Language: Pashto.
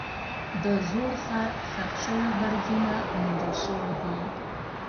د زوړ ښار ښخ شوي برجونه موندل شوي دي.